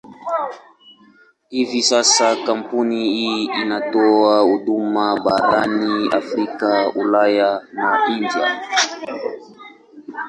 Hivi sasa kampuni hii inatoa huduma barani Afrika, Ulaya na India.